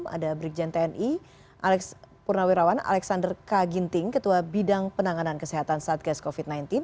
ada brigjen tni alex purnawirawan alexander k ginting ketua bidang penanganan kesehatan satgas covid sembilan belas